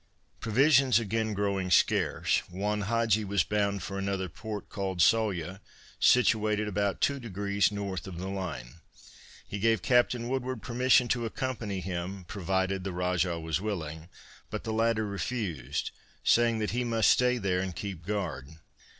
Provisions again growing scarce, Juan Hadgee was bound for another port called Sawyah, situated about two degrees north of the line. He gave Captain Woodward permission to accompany him, provided the Rajah was willing, but the latter refused, saying that he must stay there and keep guard.